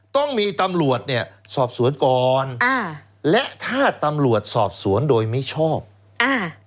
ต้องมีตำรวจเนี่ยสอบสวนก่อนอ่าและถ้าตำรวจสอบสวนโดยไม่ชอบอ่า